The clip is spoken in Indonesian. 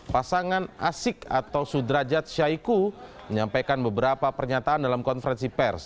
pasangan asyik atau sudrajat syaiku menyampaikan beberapa pernyataan dalam konferensi pers